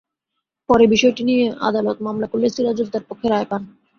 পরে বিষয়টি নিয়ে আদালতে মামলা করলে সিরাজুল তাঁর পক্ষে রায় পান।